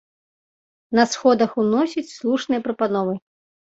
На сходах ўносіць слушныя прапановы.